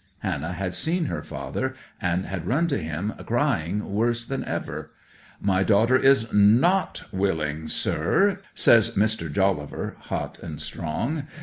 Hannah had seen her father, and had run to him, crying worse than ever. '"My daughter is not willing, sir!" says Mr. Jolliver hot and strong.